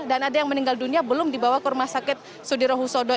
dan ada yang meninggal dunia belum dibawa ke rumah sakit sudirohusodon